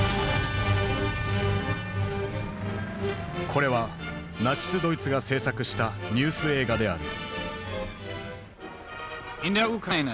これはナチスドイツが制作したニュース映画である。